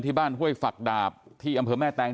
บ้านห้วยฝักดาบที่อำเภอแม่แตง